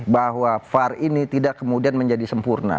bahwa var ini tidak kemudian menjadi sempurna